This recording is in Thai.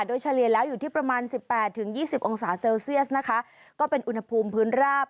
โดยเฉลี่ยแล้วอยู่ที่ประมาณสิบแปดถึงยี่สิบองศาเซลเซียสนะคะก็เป็นอุณหภูมิพื้นราบ